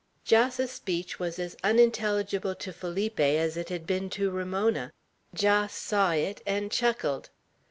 Jos's speech was as unintelligible to Felipe as it had been to Ramona, Jos saw it, and chuckled.